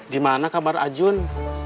di mana kabar ajun